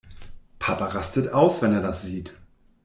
Papa rastet aus, wenn er das sieht.